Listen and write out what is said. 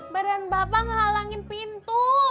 badan bapak ngehalangin pintu